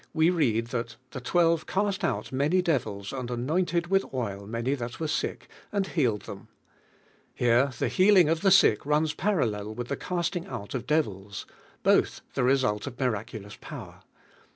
we read that the twelve isa DIVINE MHALtNO. "past out many devils and anointed with oil many that were sick, and healed them." Here the healing of the sick runs parallel with the casting out of devils: both the result of miraculous power.